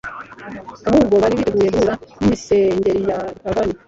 ahubwo bari biteguye guhura n'imisengere ya gipagani.